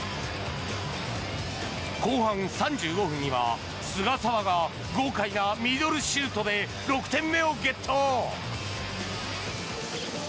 後半３５分には菅澤が豪快なミドルシュートで６点目をゲット。